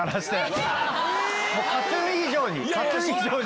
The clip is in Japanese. ＫＡＴ−ＴＵＮ以上に。